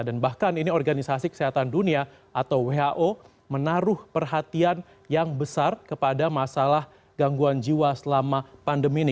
dan bahkan ini organisasi kesehatan dunia atau who menaruh perhatian yang besar kepada masalah gangguan jiwa selama pandemi ini